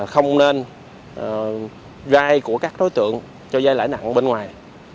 không nên gai của các đối tượng cho gai lãi nặng bên ngoài